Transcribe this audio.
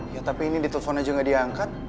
ya tapi ini di telfon aja gak diangkat